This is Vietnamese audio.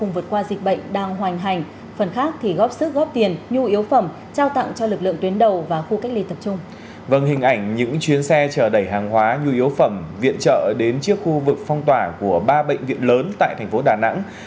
vâng hình ảnh những chuyến xe chở đẩy hàng hóa nhu yếu phẩm viện trợ đến chiếc khu vực phong tỏa của ba bệnh viện lớn tại thành phố đà nẵng